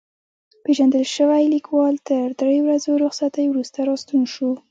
پېژندل شوی لیکوال تر درې ورځو رخصتۍ وروسته راستون شو.